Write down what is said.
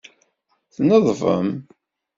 Tneḍbem.